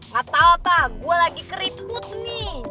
gak tau pak gue lagi keriput nih